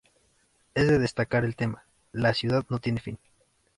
Es de destacar el tema "La ciudad no tiene fin".